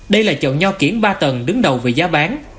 đây là chậu nho kiển ba tầng đứng đầu về giá bán